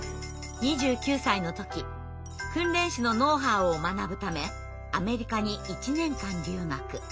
２９歳の時訓練士のノウハウを学ぶためアメリカに１年間留学。